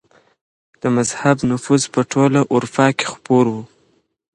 د مذهب نفوذ په ټوله اروپا کي خپور و.